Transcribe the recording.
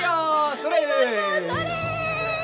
それ！